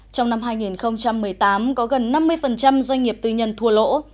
trong năm hai nghìn một mươi tám có gần năm mươi doanh nghiệp tư nhân thua lỗ